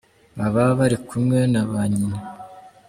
Baba bari kumwe na ba nyina.